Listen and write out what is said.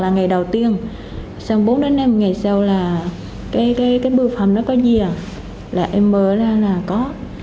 ngày đầu tiên xong bốn đến năm ngày sau là cái bưu phẩm nó có gì à là em mới ra là có